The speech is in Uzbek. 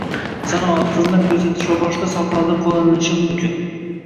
Sanoat, xizmat ko’rsatish va boshqa sohalarda qo’llanilishi mumkin